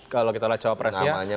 kalau kita lihat cawapresnya